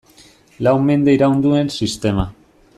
Lau mende iraun duen sistema.